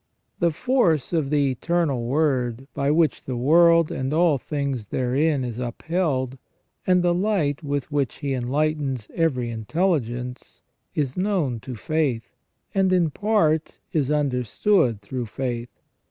The force of the Eternal Word by which the world and all things therein is upheld, and the light with which He enlightens every intelligence, is known to faith, and in part is understood through faith.